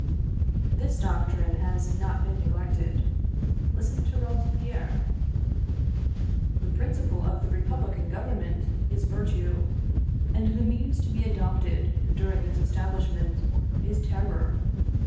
This doctrine has not been neglected. Listen to Robespierre: "The principle of the Republican Government is virtue, and the means to be adopted, during its establishment, is terror.